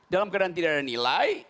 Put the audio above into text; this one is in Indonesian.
dalam keadaan tidak ada nilai